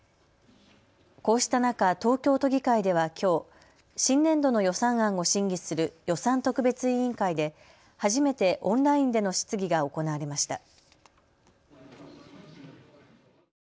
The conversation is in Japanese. こうした中、東京都議会ではきょう新年度の予算案を審議する予算特別委員会で初めてオンラインでの質疑が行われました。